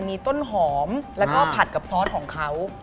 มีต้นหอมแล้วก็ผัดกับซอสของเขา